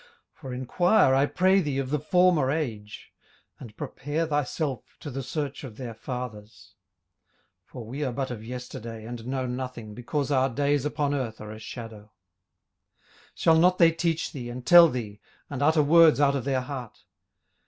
18:008:008 For enquire, I pray thee, of the former age, and prepare thyself to the search of their fathers: 18:008:009 (For we are but of yesterday, and know nothing, because our days upon earth are a shadow:) 18:008:010 Shall not they teach thee, and tell thee, and utter words out of their heart?